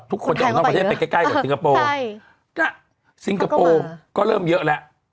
ทุกคนจะออกนอกประเทศไปใกล้ใกล้กับสิงคโปร์ซิงคโปร์ก็เริ่มเยอะแล้ว